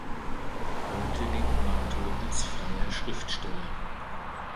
Heute lebt Mato als freier Schriftsteller.